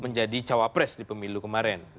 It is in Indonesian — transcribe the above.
menjadi cawa pres di pemilu kemarin